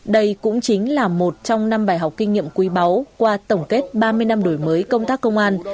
đây cũng chính là một trong năm bài học kinh nghiệm quý báu qua tổng kết ba mươi năm đổi mới công tác công an